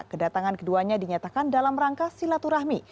kedatangan keduanya dinyatakan dalam rangka silaturahmi